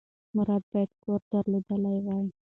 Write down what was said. مراد باید کور درلودلی وای.